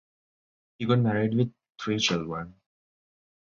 He got married with three children.